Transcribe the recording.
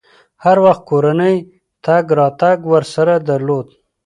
هر وخت کورنۍ تګ راتګ ورسره درلود.